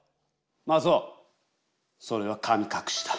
マツオそれは神隠しだ。